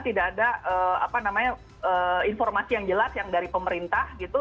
tidak ada informasi yang jelas yang dari pemerintah gitu